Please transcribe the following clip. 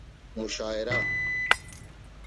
مشاعرہ